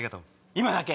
今だけ。